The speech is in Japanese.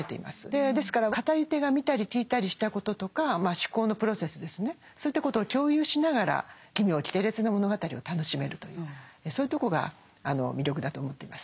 でですから語り手が見たり聞いたりしたこととかまあ思考のプロセスですねそういったことを共有しながら奇妙奇天烈な物語を楽しめるというそういうとこが魅力だと思っています。